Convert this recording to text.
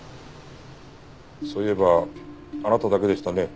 そういえばあなただけでしたね